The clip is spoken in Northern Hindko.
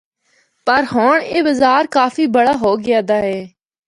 پر ہونڑ اے بازار کافی بڑا ہو گیا دا اے۔